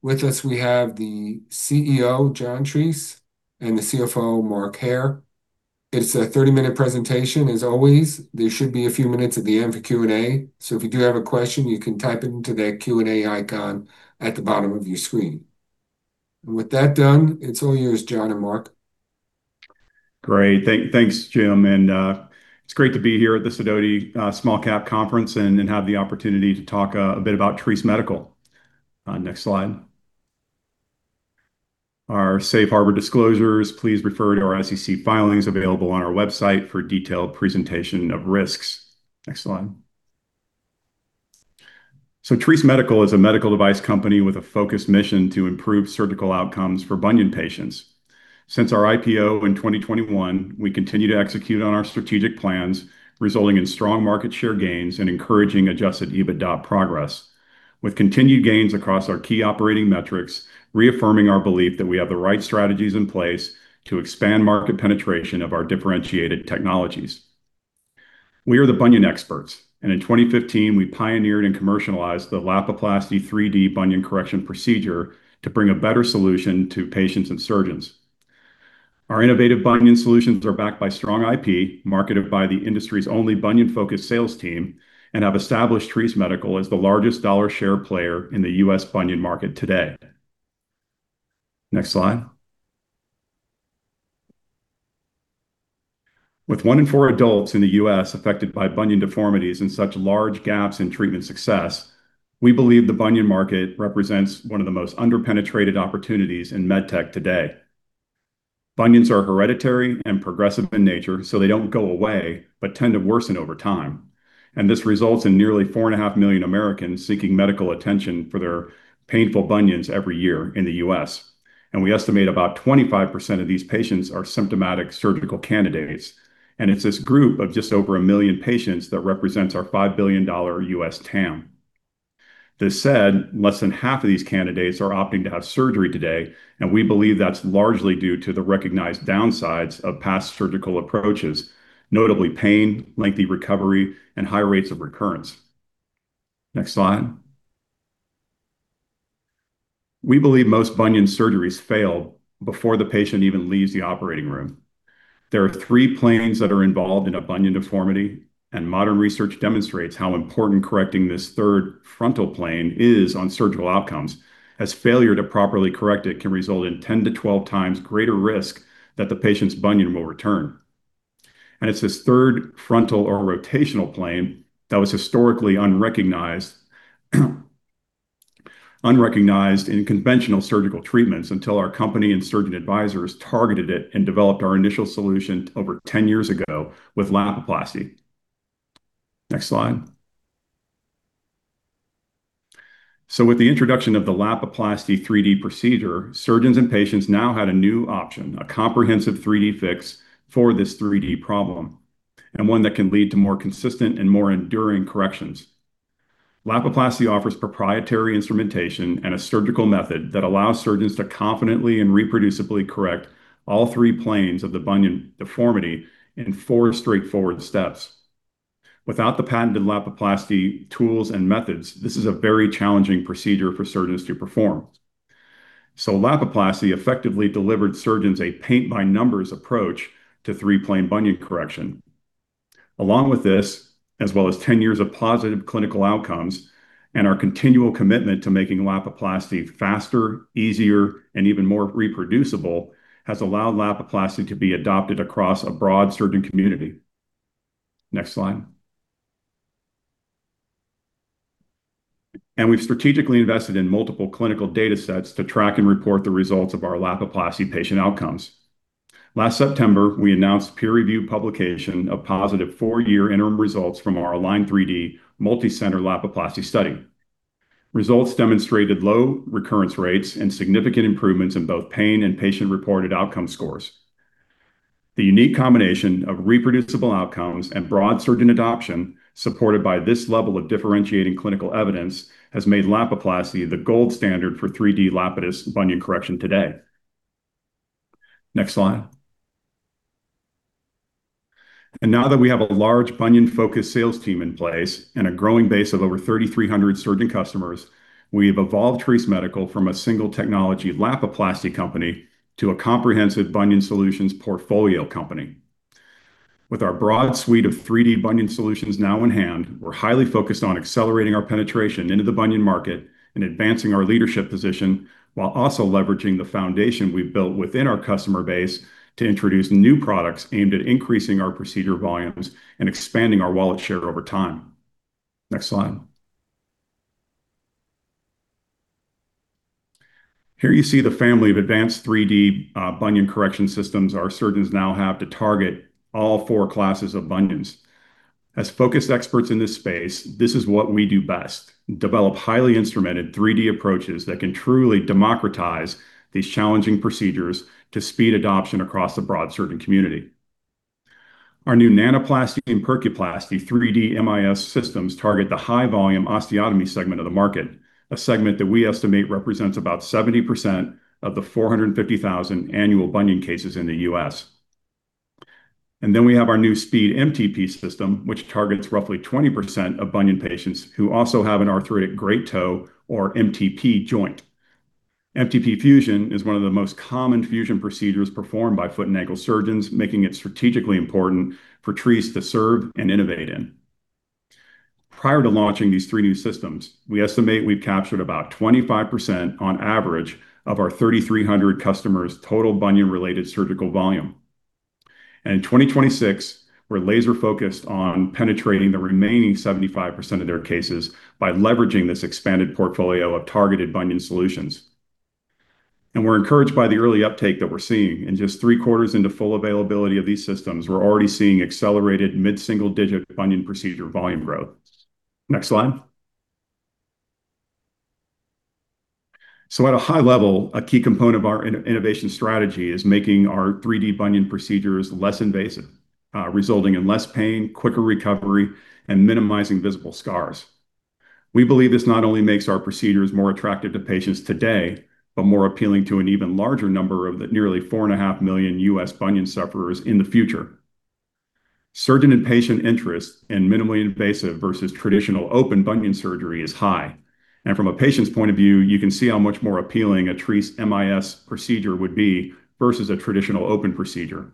With us, we have the CEO, John Treace, and the CFO, Mark Hair. It's a 30-minute presentation, as always. There should be a few minutes at the end for Q&A. If you do have a question, you can type it into that Q&A icon at the bottom of your screen. With that done, it's all yours, John and Mark. Great. Thanks, Jim. It's great to be here at the Sidoti Small Cap Conference and have the opportunity to talk a bit about Treace Medical. Next slide. Our safe harbor disclosures, please refer to our SEC filings available on our website for detailed presentation of risks. Next slide. Treace Medical is a medical device company with a focused mission to improve surgical outcomes for bunion patients. Since our IPO in 2021, we continue to execute on our strategic plans, resulting in strong market share gains and encouraging adjusted EBITDA progress with continued gains across our key operating metrics, reaffirming our belief that we have the right strategies in place to expand market penetration of our differentiated technologies. We are the bunion experts, and in 2015, we pioneered and commercialized the Lapiplasty 3D Bunion Correction procedure to bring a better solution to patients and surgeons. Our innovative bunion solutions are backed by strong IP, marketed by the industry's only bunion-focused sales team, and have established Treace Medical as the largest dollar share player in the U.S. bunion market today. Next slide. With one in four adults in the U.S. affected by bunion deformities and such large gaps in treatment success, we believe the bunion market represents one of the most under-penetrated opportunities in med tech today. Bunions are hereditary and progressive in nature, they don't go away, but tend to worsen over time. This results in nearly four and a half million Americans seeking medical attention for their painful bunions every year in the U.S. We estimate about 25% of these patients are symptomatic surgical candidates. It's this group of just over 1 million patients that represents our $5 billion U.S. TAM. This said, less than half of these candidates are opting to have surgery today, we believe that's largely due to the recognized downsides of past surgical approaches, notably pain, lengthy recovery, and high rates of recurrence. Next slide. We believe most bunion surgeries fail before the patient even leaves the operating room. There are three planes that are involved in a bunion deformity, modern research demonstrates how important correcting this third frontal plane is on surgical outcomes, as failure to properly correct it can result in 10 to 12 times greater risk that the patient's bunion will return. It's this third frontal or rotational plane that was historically unrecognized in conventional surgical treatments until our company and surgeon advisors targeted it and developed our initial solution over 10 years ago with Lapiplasty. Next slide. With the introduction of the Lapiplasty 3D procedure, surgeons and patients now had a new option, a comprehensive 3D fix for this 3D problem, and one that can lead to more consistent and more enduring corrections. Lapiplasty offers proprietary instrumentation and a surgical method that allows surgeons to confidently and reproducibly correct all three planes of the bunion deformity in four straightforward steps. Without the patented Lapiplasty tools and methods, this is a very challenging procedure for surgeons to perform. Lapiplasty effectively delivered surgeons a paint-by-numbers approach to three-plane bunion correction. Along with this, as well as 10 years of positive clinical outcomes and our continual commitment to making Lapiplasty faster, easier, and even more reproducible, has allowed Lapiplasty to be adopted across a broad surgeon community. Next slide. We've strategically invested in multiple clinical data sets to track and report the results of our Lapiplasty patient outcomes. Last September, we announced peer-reviewed publication of positive four-year interim results from our ALIGN3D multi-center Lapiplasty study. Results demonstrated low recurrence rates and significant improvements in both pain and patient-reported outcome scores. The unique combination of reproducible outcomes and broad surgeon adoption, supported by this level of differentiating clinical evidence, has made Lapiplasty the gold standard for 3D Lapidus bunion correction today. Next slide. Now that we have a large bunion-focused sales team in place and a growing base of over 3,300 surgeon customers, we have evolved Treace Medical from a single technology Lapiplasty company to a comprehensive bunion solutions portfolio company. With our broad suite of 3D bunion solutions now in hand, we're highly focused on accelerating our penetration into the bunion market and advancing our leadership position while also leveraging the foundation we've built within our customer base to introduce new products aimed at increasing our procedure volumes and expanding our wallet share over time. Next slide. Here you see the family of advanced 3D bunion correction systems our surgeons now have to target all four classes of bunions. As focused experts in this space, this is what we do best, develop highly instrumented 3D approaches that can truly democratize these challenging procedures to speed adoption across the broad surgeon community. Our new Nanoplasty and Percuplasty 3D MIS systems target the high-volume osteotomy segment of the market, a segment that we estimate represents about 70% of the 450,000 annual bunion cases in the U.S. We have our new SpeedMTP system, which targets roughly 20% of bunion patients who also have an arthritic great toe or MTP joint. MTP fusion is one of the most common fusion procedures performed by foot and ankle surgeons, making it strategically important for Treace to serve and innovate in. Prior to launching these three new systems, we estimate we've captured about 25% on average of our 3,300 customers' total bunion-related surgical volume. In 2026, we're laser-focused on penetrating the remaining 75% of their cases by leveraging this expanded portfolio of targeted bunion solutions. We're encouraged by the early uptake that we're seeing. In just three-quarters into full availability of these systems, we're already seeing accelerated mid-single-digit bunion procedure volume growth. Next slide. At a high level, a key component of our innovation strategy is making our 3D bunion procedures less invasive, resulting in less pain, quicker recovery, and minimizing visible scars. We believe this not only makes our procedures more attractive to patients today, but more appealing to an even larger number of the nearly four and a half million U.S. bunion sufferers in the future. Surgeon and patient interest in minimally invasive versus traditional open bunion surgery is high. From a patient's point of view, you can see how much more appealing a Treace MIS procedure would be versus a traditional open procedure.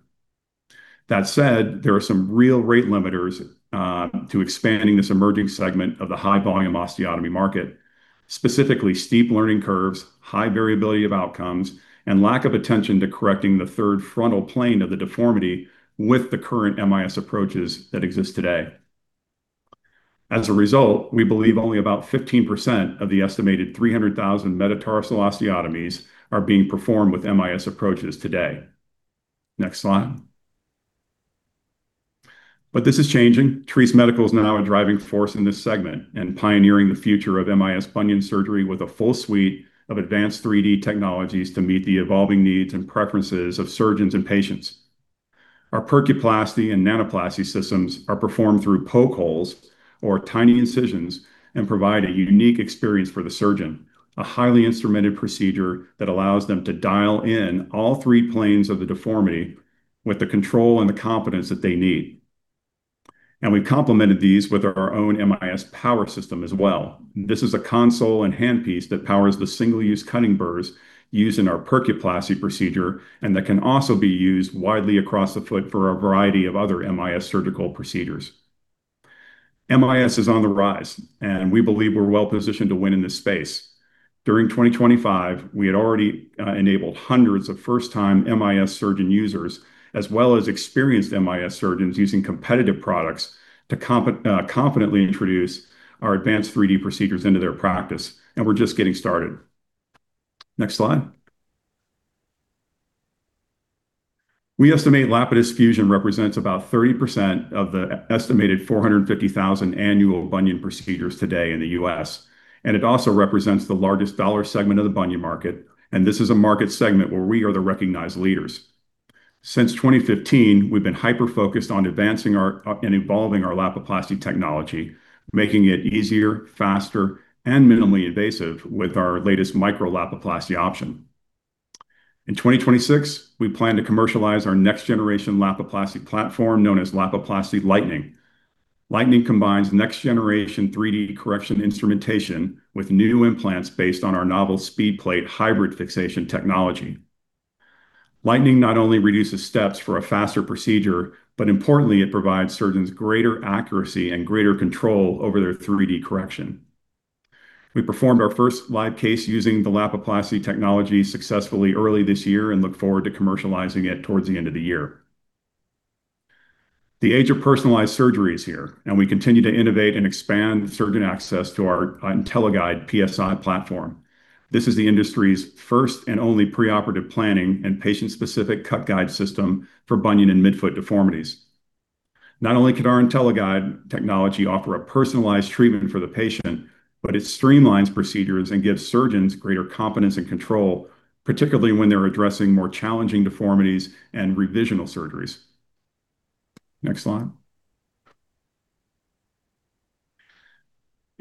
That said, there are some real rate limiters to expanding this emerging segment of the high-volume osteotomy market, specifically steep learning curves, high variability of outcomes, and lack of attention to correcting the third frontal plane of the deformity with the current MIS approaches that exist today. As a result, we believe only about 15% of the estimated 300,000 metatarsal osteotomies are being performed with MIS approaches today. Next slide. This is changing. Treace Medical is now a driving force in this segment and pioneering the future of MIS bunion surgery with a full suite of advanced 3D technologies to meet the evolving needs and preferences of surgeons and patients. Our Percuplasty and Nanoplasty systems are performed through poke holes or tiny incisions and provide a unique experience for the surgeon, a highly instrumented procedure that allows them to dial in all three planes of the deformity with the control and the confidence that they need. We've complemented these with our own MIS power system as well. This is a console and handpiece that powers the single-use cutting burrs used in our Percuplasty procedure, and that can also be used widely across the foot for a variety of other MIS surgical procedures. MIS is on the rise. We believe we're well-positioned to win in this space. During 2025, we had already enabled hundreds of first-time MIS surgeon users, as well as experienced MIS surgeons using competitive products to confidently introduce our advanced 3D procedures into their practice. We're just getting started. Next slide. We estimate Lapidus fusion represents about 30% of the estimated 450,000 annual bunion procedures today in the U.S. It also represents the largest dollar segment of the bunion market. This is a market segment where we are the recognized leaders. Since 2015, we've been hyper-focused on advancing and evolving our Lapiplasty technology, making it easier, faster, and minimally invasive with our latest Micro-Lapiplasty option. In 2026, we plan to commercialize our next-generation Lapiplasty platform known as Lapiplasty Lightning. Lightning combines next-generation 3D correction instrumentation with new implants based on our novel SpeedPlate hybrid fixation technology. Lightning not only reduces steps for a faster procedure, importantly, it provides surgeons greater accuracy and greater control over their 3D correction. We performed our first live case using the Lapiplasty technology successfully early this year and look forward to commercializing it towards the end of the year. The age of personalized surgery is here. We continue to innovate and expand surgeon access to our IntelliGuide PSI platform. This is the industry's first and only preoperative planning and patient-specific cut guide system for bunion and midfoot deformities. Not only can our IntelliGuide technology offer a personalized treatment for the patient, but it streamlines procedures and gives surgeons greater confidence and control, particularly when they're addressing more challenging deformities and revisional surgeries. Next slide.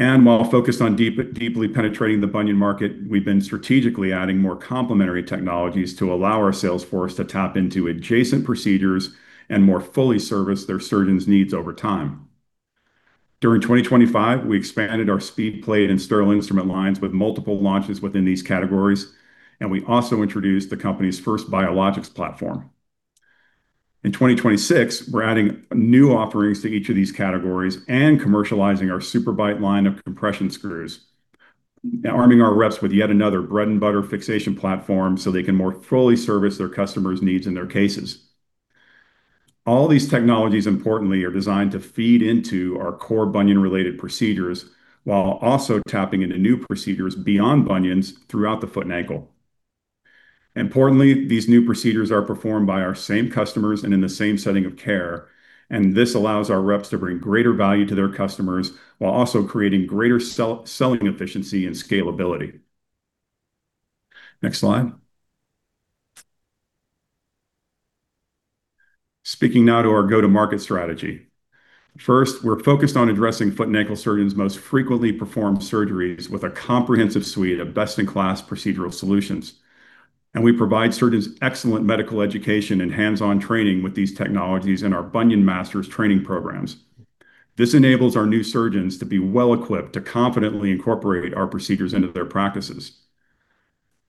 While focused on deeply penetrating the bunion market, we've been strategically adding more complementary technologies to allow our sales force to tap into adjacent procedures and more fully service their surgeons' needs over time. During 2025, we expanded our SpeedPlate and Sterling instrument lines with multiple launches within these categories. We also introduced the company's first biologics platform. In 2026, we're adding new offerings to each of these categories and commercializing our SuperBite line of compression screws, arming our reps with yet another bread-and-butter fixation platform so they can more fully service their customers' needs and their cases. All these technologies, importantly, are designed to feed into our core bunion-related procedures while also tapping into new procedures beyond bunions throughout the foot and ankle. Importantly, these new procedures are performed by our same customers and in the same setting of care. This allows our reps to bring greater value to their customers while also creating greater selling efficiency and scalability. Next slide. Speaking now to our go-to-market strategy. First, we're focused on addressing foot and ankle surgeons' most frequently performed surgeries with a comprehensive suite of best-in-class procedural solutions. We provide surgeons excellent medical education and hands-on training with these technologies in our Bunion Masters training programs. This enables our new surgeons to be well-equipped to confidently incorporate our procedures into their practices.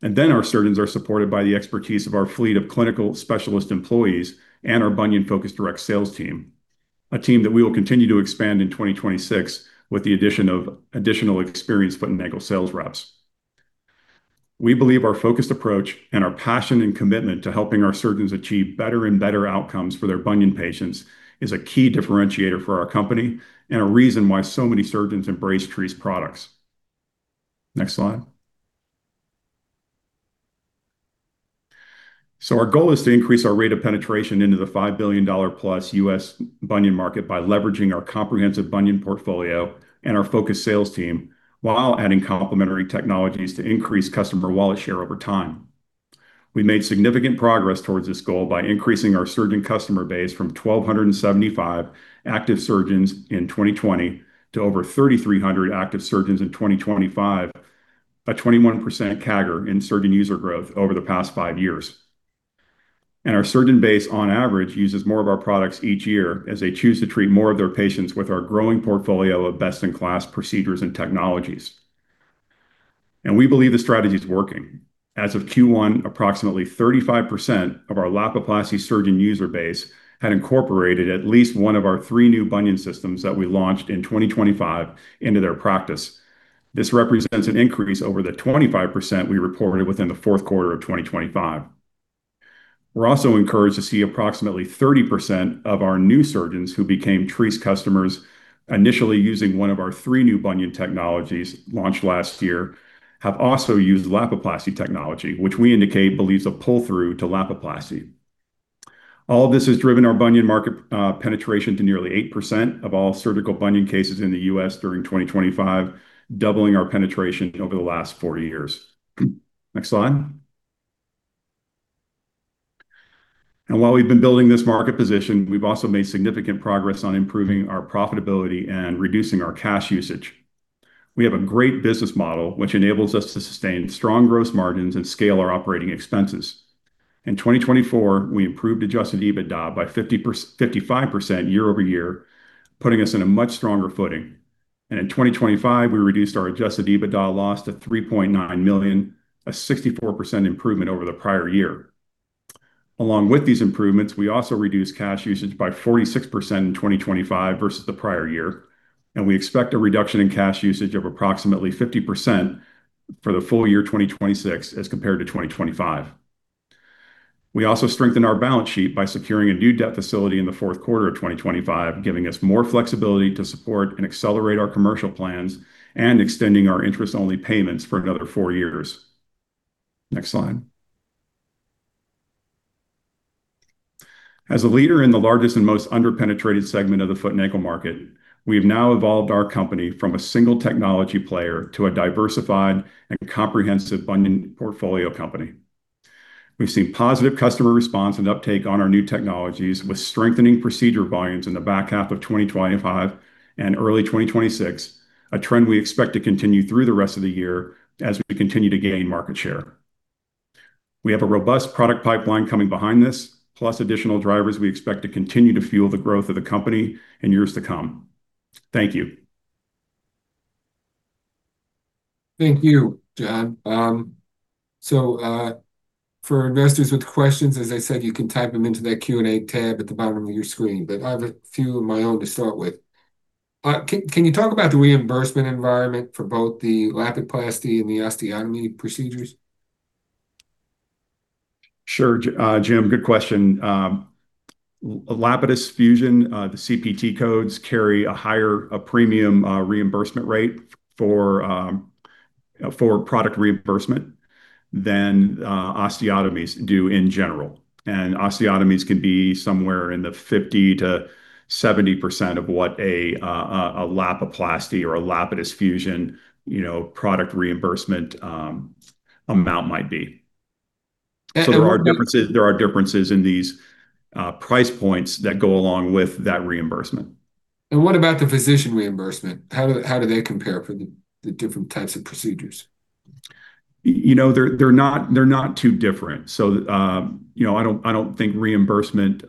Our surgeons are supported by the expertise of our fleet of clinical specialist employees and our bunion-focused direct sales team, a team that we will continue to expand in 2026 with the addition of additional experienced foot and ankle sales reps. We believe our focused approach and our passion and commitment to helping our surgeons achieve better and better outcomes for their bunion patients is a key differentiator for our company, and a reason why so many surgeons embrace Treace products. Next slide. Our goal is to increase our rate of penetration into the $5 billion+ U.S bunion market by leveraging our comprehensive bunion portfolio and our focused sales team, while adding complementary technologies to increase customer wallet share over time. We made significant progress towards this goal by increasing our surgeon customer base from 1,275 active surgeons in 2020 to over 3,300 active surgeons in 2025, a 21% CAGR in surgeon user growth over the past five years. Our surgeon base, on average, uses more of our products each year as they choose to treat more of their patients with our growing portfolio of best-in-class procedures and technologies. We believe the strategy's working. As of Q1, approximately 35% of our Lapiplasty surgeon user base had incorporated at least one of our three new bunion systems that we launched in 2025 into their practice. This represents an increase over the 25% we reported within the fourth quarter of 2025. We're also encouraged to see approximately 30% of our new surgeons who became Treace customers initially using one of our three new bunion technologies launched last year have also used Lapiplasty technology, which we indicate believes a pull-through to Lapiplasty. All this has driven our bunion market penetration to nearly 8% of all surgical bunion cases in the U.S. during 2025, doubling our penetration over the last four years. Next slide. While we've been building this market position, we've also made significant progress on improving our profitability and reducing our cash usage. We have a great business model, which enables us to sustain strong gross margins and scale our operating expenses. In 2024, we improved adjusted EBITDA by 55% year-over-year, putting us in a much stronger footing. In 2025, we reduced our adjusted EBITDA loss to $3.9 million, a 64% improvement over the prior year. Along with these improvements, we also reduced cash usage by 46% in 2025 versus the prior year, and we expect a reduction in cash usage of approximately 50% for the full year 2026 as compared to 2025. We also strengthened our balance sheet by securing a new debt facility in the fourth quarter of 2025, giving us more flexibility to support and accelerate our commercial plans and extending our interest-only payments for another four years. Next slide. As a leader in the largest and most under-penetrated segment of the foot and ankle market, we have now evolved our company from a single technology player to a diversified and comprehensive bunion portfolio company. We've seen positive customer response and uptake on our new technologies, with strengthening procedure volumes in the back half of 2025 and early 2026, a trend we expect to continue through the rest of the year as we continue to gain market share. We have a robust product pipeline coming behind this, plus additional drivers we expect to continue to fuel the growth of the company in years to come. Thank you. Thank you, John. For investors with questions, as I said, you can type them into that Q&A tab at the bottom of your screen. I have a few of my own to start with. Can you talk about the reimbursement environment for both the Lapiplasty and the osteotomy procedures? Sure, Jim. Good question. Lapidus fusion, the CPT codes carry a higher premium reimbursement rate for product reimbursement than osteotomies do in general. Osteotomies can be somewhere in the 50%-70% of what a Lapiplasty® or a Lapidus fusion product reimbursement amount might be. what- There are differences in these price points that go along with that reimbursement. What about the physician reimbursement? How do they compare for the different types of procedures? They're not too different. I don't think reimbursement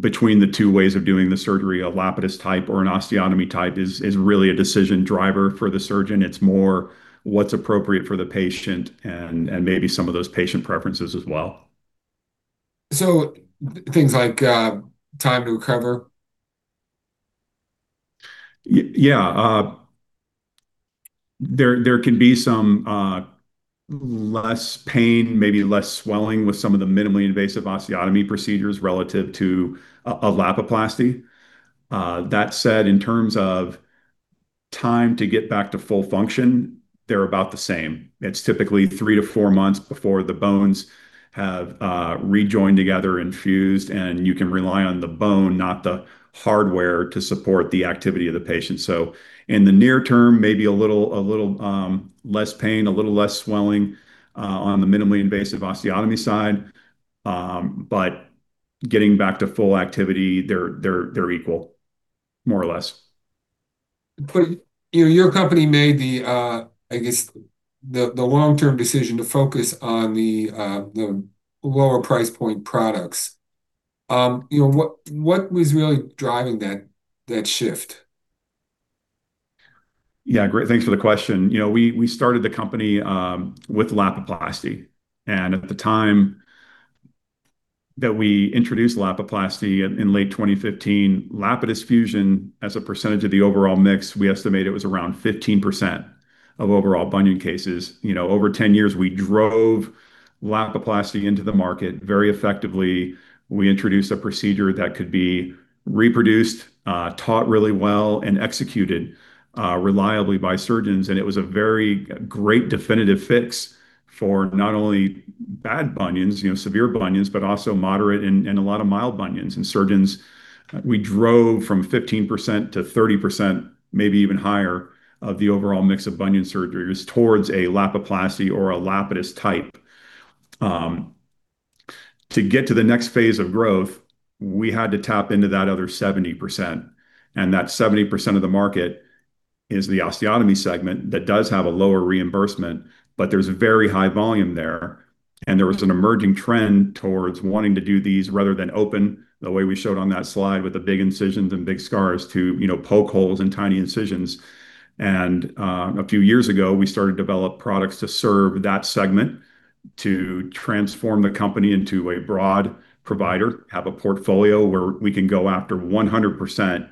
between the two ways of doing the surgery, a Lapidus type or an osteotomy type, is really a decision driver for the surgeon. It's more what's appropriate for the patient and maybe some of those patient preferences as well. Things like time to recover? Yeah. There can be some less pain, maybe less swelling with some of the minimally invasive osteotomy procedures relative to a Lapiplasty. That said, in terms of time to get back to full function, they're about the same. It's typically three to four months before the bones have rejoined together and fused, and you can rely on the bone, not the hardware, to support the activity of the patient. In the near term, maybe a little less pain, a little less swelling, on the minimally invasive osteotomy side. Getting back to full activity, they're equal, more or less. Your company made the, I guess, the long-term decision to focus on the lower price point products. What was really driving that shift? Yeah, great. Thanks for the question. We started the company with Lapiplasty, and at the time that we introduced Lapiplasty in late 2015, Lapidus fusion as a percentage of the overall mix, we estimate it was around 15% of overall bunion cases. Over 10 years, we drove Lapiplasty into the market very effectively. We introduced a procedure that could be reproduced, taught really well, and executed reliably by surgeons. It was a very great definitive fix for not only bad bunions, severe bunions, but also moderate and a lot of mild bunions. Surgeons, we drove from 15% to 30%, maybe even higher, of the overall mix of bunion surgeries towards a Lapiplasty or a Lapidus type. To get to the next phase of growth, we had to tap into that other 70%. That 70% of the market is the osteotomy segment that does have a lower reimbursement, there's very high volume there was an emerging trend towards wanting to do these rather than open, the way we showed on that slide, with the big incisions and big scars to poke holes and tiny incisions. A few years ago, we started to develop products to serve that segment, to transform the company into a broad provider, have a portfolio where we can go after 100%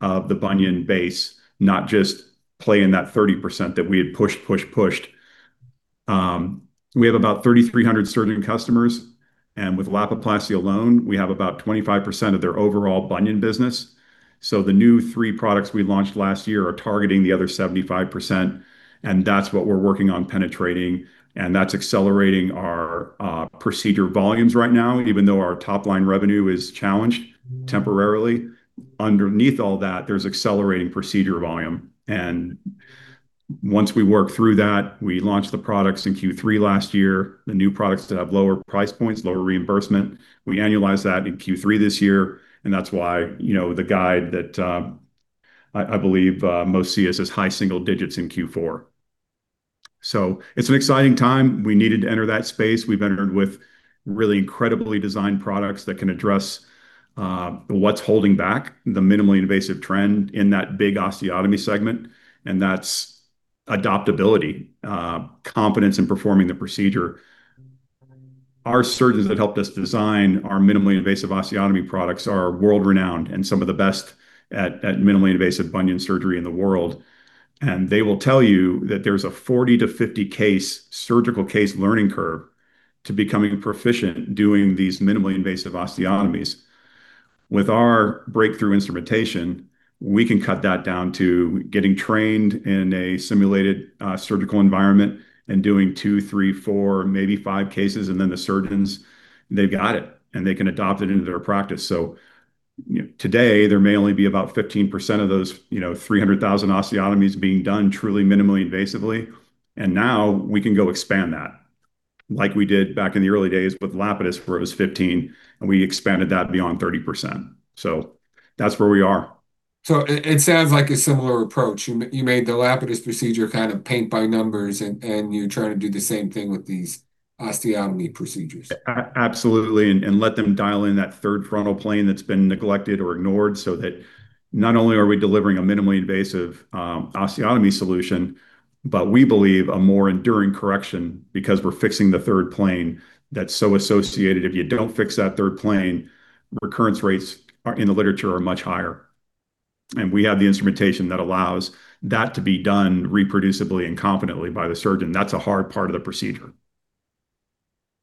of the bunion base, not just play in that 30% that we had pushed. We have about 3,300 surgeon customers, with Lapiplasty alone, we have about 25% of their overall bunion business. The new three products we launched last year are targeting the other 75%. That's what we're working on penetrating, that's accelerating our procedure volumes right now, even though our top-line revenue is challenged temporarily. Underneath all that, there's accelerating procedure volume. Once we work through that, we launched the products in Q3 last year, the new products that have lower price points, lower reimbursement. We annualized that in Q3 this year, that's why the guide that I believe most see us as high single digits in Q4. It's an exciting time. We needed to enter that space. We've entered with really incredibly designed products that can address what's holding back the minimally invasive trend in that big osteotomy segment, that's adaptability, competence in performing the procedure. Our surgeons that helped us design our minimally invasive osteotomy products are world-renowned and some of the best at minimally invasive bunion surgery in the world. They will tell you that there's a 40-50 surgical case learning curve to becoming proficient doing these minimally invasive osteotomies. With our breakthrough instrumentation, we can cut that down to getting trained in a simulated surgical environment and doing two, three, four, maybe five cases. Then the surgeons, they've got it, they can adopt it into their practice. Today, there may only be about 15% of those 300,000 osteotomies being done truly minimally invasively. Now we can go expand that, like we did back in the early days with Lapidus, where it was 15%, we expanded that beyond 30%. That's where we are. It sounds like a similar approach. You made the Lapidus procedure kind of paint by numbers, and you're trying to do the same thing with these osteotomy procedures. Absolutely. Let them dial in that third frontal plane that's been neglected or ignored, so that not only are we delivering a minimally invasive osteotomy solution, but we believe a more enduring correction because we're fixing the third plane that's so associated. If you don't fix that third plane, recurrence rates in the literature are much higher. We have the instrumentation that allows that to be done reproducibly and confidently by the surgeon. That's a hard part of the procedure.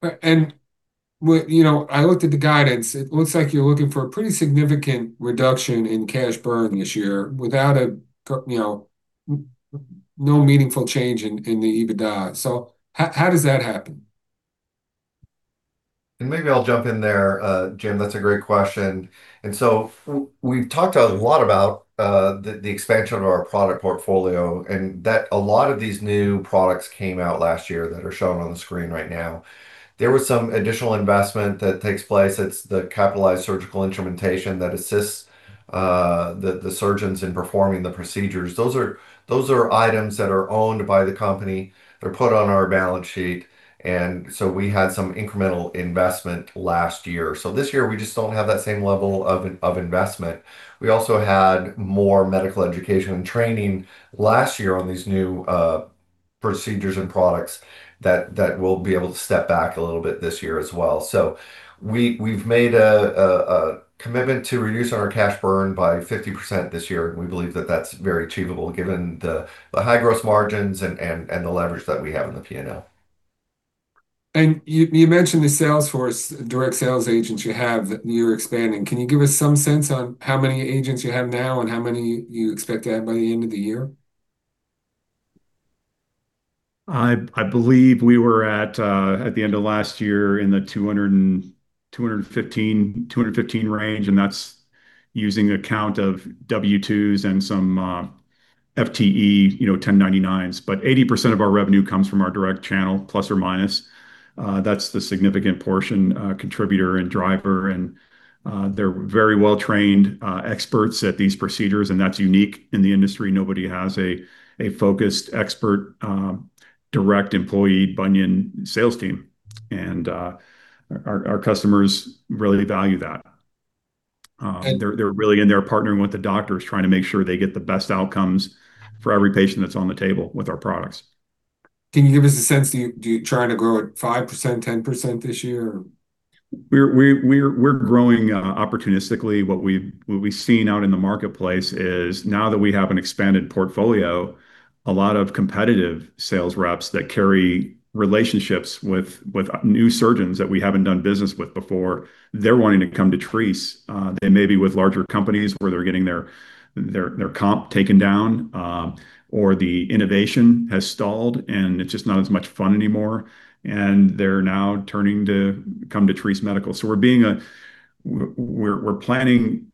I looked at the guidance. It looks like you're looking for a pretty significant reduction in cash burn this year without no meaningful change in the EBITDA. How does that happen? Maybe I'll jump in there. Jim, that's a great question. We've talked a lot about the expansion of our product portfolio, and that a lot of these new products came out last year that are shown on the screen right now. There was some additional investment that takes place. It's the capitalized surgical instrumentation that assists the surgeons in performing the procedures. Those are items that are owned by the company. They're put on our balance sheet. We had some incremental investment last year. This year, we just don't have that same level of investment. We also had more medical education and training last year on these new procedures and products that we'll be able to step back a little bit this year as well. We've made a commitment to reduce our cash burn by 50% this year, and we believe that that's very achievable given the high gross margins and the leverage that we have in the P&L. You mentioned the sales force, direct sales agents you have that you're expanding. Can you give us some sense on how many agents you have now and how many you expect to have by the end of the year? I believe we were at the end of last year in the 215 range, and that's using a count of W-2s and some, FTE, 1099s. 80% of our revenue comes from our direct channel, plus or minus. That's the significant portion, contributor and driver, and they're very well-trained experts at these procedures, and that's unique in the industry. Nobody has a focused expert, direct employee bunion sales team. Our customers really value that. They're really in there partnering with the doctors, trying to make sure they get the best outcomes for every patient that's on the table with our products. Can you give us a sense, do you try to grow at 5%, 10% this year? We're growing opportunistically. What we've seen out in the marketplace is now that we have an expanded portfolio, a lot of competitive sales reps that carry relationships with new surgeons that we haven't done business with before, they're wanting to come to Treace. They may be with larger companies where they're getting their comp taken down, or the innovation has stalled, and it's just not as much fun anymore, and they're now turning to come to Treace Medical. We're planning,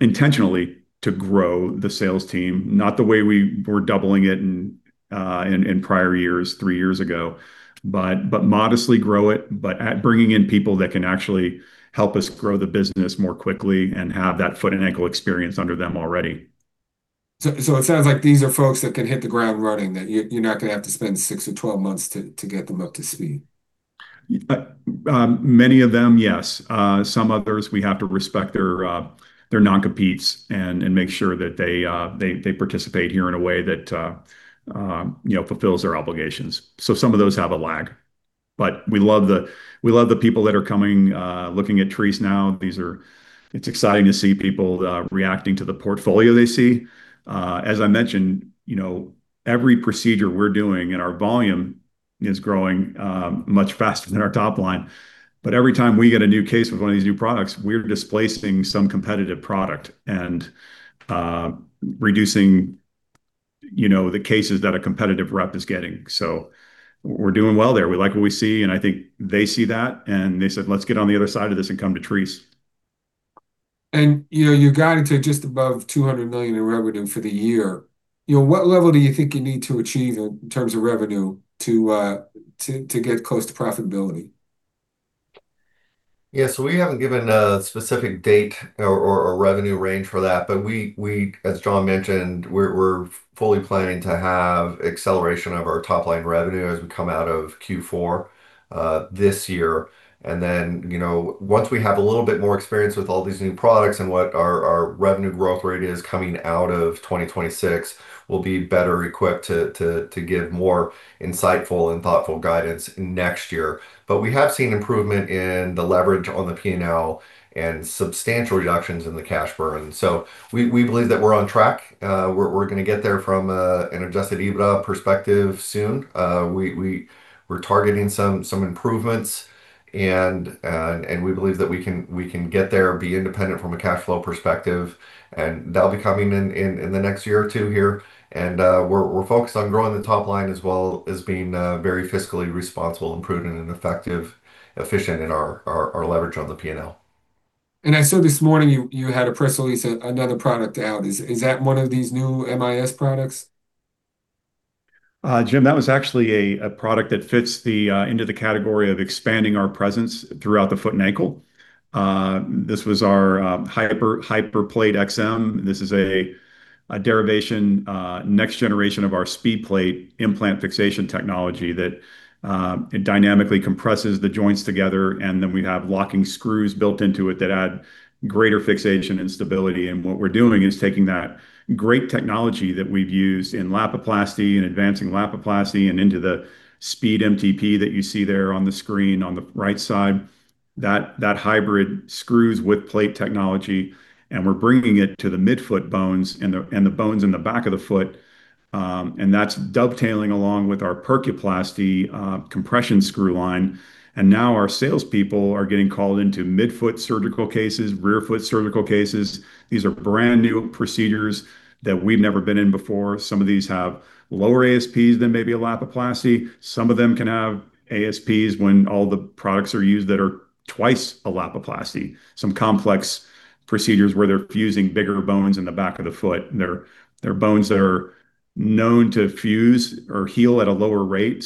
intentionally to grow the sales team, not the way we were doubling it in prior years, three years ago. Modestly grow it, but bringing in people that can actually help us grow the business more quickly and have that foot and ankle experience under them already. It sounds like these are folks that can hit the ground running, that you're not going to have to spend six or 12 months to get them up to speed. Many of them, yes. Some others, we have to respect their non-competes and make sure that they participate here in a way that fulfills their obligations. Some of those have a lag. We love the people that are coming, looking at Treace now. It's exciting to see people reacting to the portfolio they see. As I mentioned, every procedure we're doing, and our volume is growing much faster than our top line. Every time we get a new case with one of these new products, we're displacing some competitive product and reducing the cases that a competitive rep is getting. We're doing well there. We like what we see, and I think they see that, and they said, "Let's get on the other side of this and come to Treace. You're guided to just above $200 million in revenue for the year. What level do you think you need to achieve in terms of revenue to get close to profitability? Yeah. We haven't given a specific date or revenue range for that, but as John mentioned, we're fully planning to have acceleration of our top-line revenue as we come out of Q4 this year. Once we have a little bit more experience with all these new products and what our revenue growth rate is coming out of 2026, we'll be better equipped to give more insightful and thoughtful guidance next year. We have seen improvement in the leverage on the P&L and substantial reductions in the cash burn. We believe that we're on track. We're going to get there from an adjusted EBITDA perspective soon. We're targeting some improvements, and we believe that we can get there and be independent from a cash flow perspective, and that'll be coming in the next year or two here. We're focused on growing the top line as well as being very fiscally responsible and prudent and effective, efficient in our leverage on the P&L. I saw this morning you had a press release, another product out. Is that one of these new MIS products? Jim, that was actually a product that fits into the category of expanding our presence throughout the foot and ankle. This was our HyperPlate XM. This is a derivation, next generation of our SpeedPlate implant fixation technology that dynamically compresses the joints together, we have locking screws built into it that add greater fixation and stability. What we're doing is taking that great technology that we've used in Lapiplasty and advancing Lapiplasty and into the SpeedMTP that you see there on the screen on the right side, that hybrid screws with plate technology, we're bringing it to the midfoot bones and the bones in the back of the foot. That's dovetailing along with our Percuplasty compression screw line. Now our salespeople are getting called into midfoot surgical cases, rearfoot surgical cases. These are brand-new procedures that we've never been in before. Some of these have lower ASPs than maybe a Lapiplasty. Some of them can have ASPs when all the products are used that are twice a Lapiplasty. Some complex procedures where they're fusing bigger bones in the back of the foot. They're bones that are known to fuse or heal at a lower rate.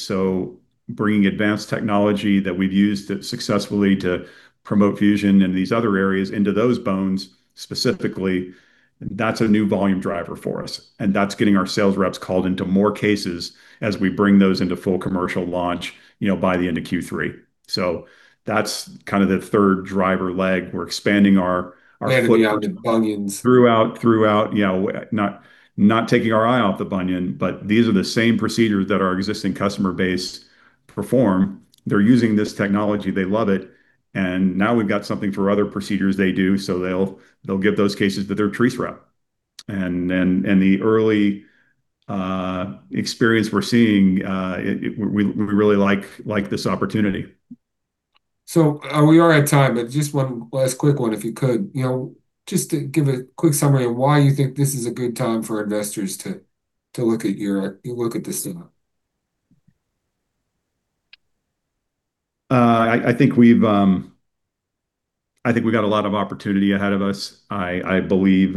Bringing advanced technology that we've used successfully to promote fusion in these other areas into those bones specifically, that's a new volume driver for us, and that's getting our sales reps called into more cases as we bring those into full commercial launch by the end of Q3. That's the third driver leg. We're expanding our foot- The bunions. Throughout. Not taking our eye off the bunion, these are the same procedures that our existing customer base perform. They're using this technology. They love it, now we've got something for other procedures they do, so they'll give those cases to their Treace rep. The early experience we're seeing, we really like this opportunity. We are at time, just one last quick one, if you could. To give a quick summary of why you think this is a good time for investors to look at the stock. I think we've got a lot of opportunity ahead of us. I believe,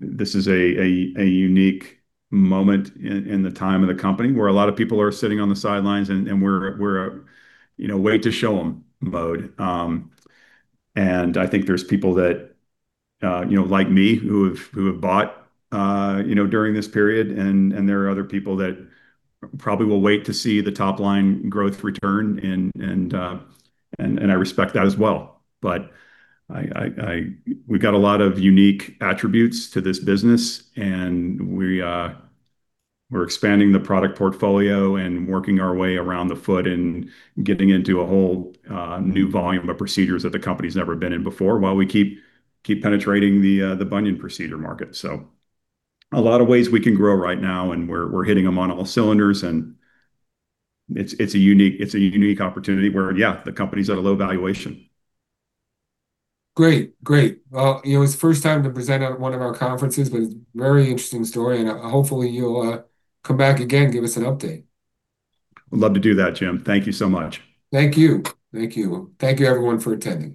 this is a unique moment in the time of the company where a lot of people are sitting on the sidelines, and we're a wait to show them mode. I think there's people that like me, who have bought during this period, and there are other people that probably will wait to see the top-line growth return, and I respect that as well. We've got a lot of unique attributes to this business, and we're expanding the product portfolio and working our way around the foot and getting into a whole new volume of procedures that the company's never been in before while we keep penetrating the bunion procedure market. A lot of ways we can grow right now, and we're hitting them on all cylinders, and it's a unique opportunity where, yeah, the company's at a low valuation. Great. It was the first time to present at one of our conferences, but very interesting story, and hopefully you'll come back again, give us an update. Would love to do that, Jim. Thank you so much. Thank you. Thank you, everyone, for attending.